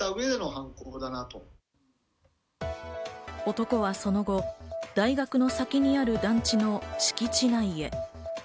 男はその後、大学の先にある団地の敷地内へ。